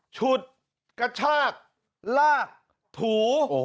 ฉุดกระชากลากถู